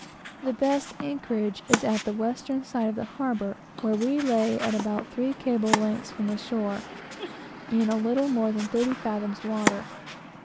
The best anchorage is at the western side of the bay, where we lay at about three cables' lengths from the shore, in a little more than thirty fathoms water.